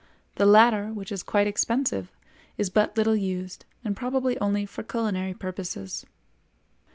The latter, which is quite expensive, is but little used, and probably only for culinary purposes.